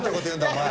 お前。